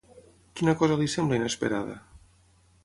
Quina cosa li sembla inesperada?